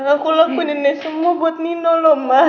aku lakuin ini semua buat nino loh ma